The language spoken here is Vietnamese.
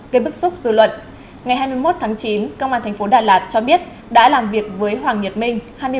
như bức xúc dư luận ngày hai mươi một tháng chín công an thành phố đà lạt cho biết đã làm việc với hoàng nhật minh